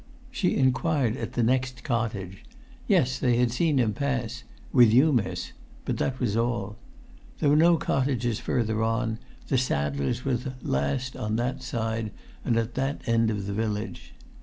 She inquired at the next cottage. Yes, they had seen him pass "with you, miss," but that was all. There were no cottages further on; the saddler's was the last on that side and at that end of the village.